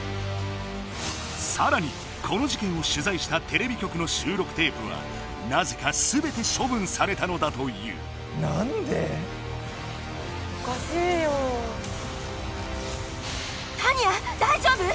さらにこの事件を取材したテレビ局の収録テープはなぜか全て処分されたのだというタニア大丈夫？